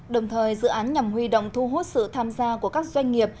đồng thời dự án nhằm huy động thu hút sự tham gia của các doanh nghiệp